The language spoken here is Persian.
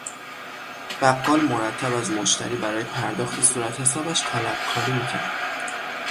بقال مرتب از مشتری برای پرداخت صورت حسابش طلبکاری میکرد.